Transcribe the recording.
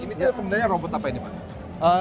ini sebenarnya robot apa ini pak